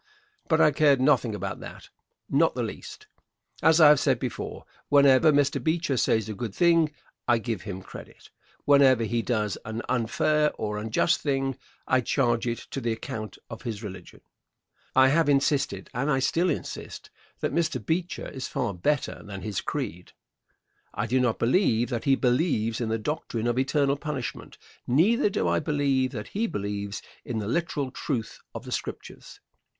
But I cared nothing about that, not the least. As I have said before, whenever Mr. Beecher says a good thing I give him credit. Whenever he does an unfair or unjust thing I charge it to the account of his religion. I have insisted, and I still insist, that Mr. Beecher is far better than his creed. I do not believe that he believes in the doctrine of eternal punishment. Neither do I believe that he believes in the literal truth of the Scriptures.